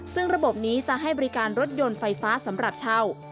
ซึ่งระบบนี้จะให้บริการรถยนต์ไฟฟ้าสำหรับเช่า